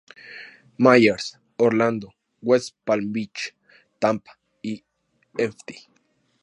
Myers, Orlando, West Palm Beach, Tampa y Ft.